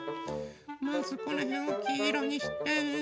まずこのへんをきいろにして。